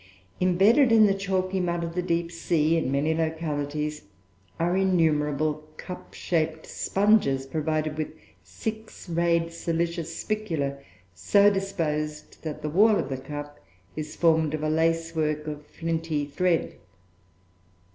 Imbedded in the chalky mud of the deep sea, in many localities, are innumerable cup shaped sponges, provided with six rayed silicious spicula, so disposed that the wall of the cup is formed of a lacework of flinty thread.